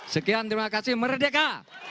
sekian terima kasih merdeka